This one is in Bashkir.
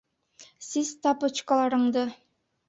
Сис тапочкаларыңды.